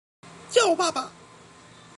叫爸爸